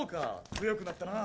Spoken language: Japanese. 強くなったな。